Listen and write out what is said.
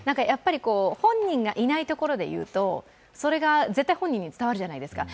本人がいないところで言うと、それが絶対本人に伝わるじゃないですか。